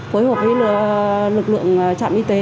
phối hợp với lực lượng trạm y tế